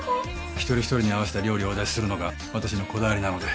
「一人一人に合わせた料理をお出しするのが私のこだわりなので。